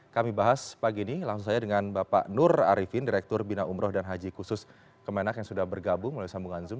kami bahas pagi ini langsung saja dengan bapak nur arifin direktur bina umroh dan haji khusus kemenak yang sudah bergabung melalui sambungan zoom